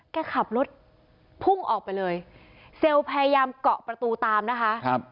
แกขับรถพุ่งออกไปเลยเซลล์พยายามเกาะประตูตามนะคะครับ